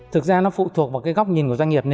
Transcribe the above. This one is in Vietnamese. thực ra nó phụ thuộc vào cái góc nhìn của doanh nghiệp